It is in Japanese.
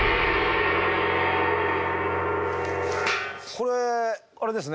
これあれですね